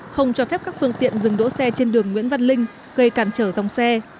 không cho phép các phương tiện dừng đỗ xe trên đường nguyễn văn linh gây cản trở dòng xe